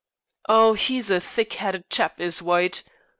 "Oh, he's a thick headed chap, is White.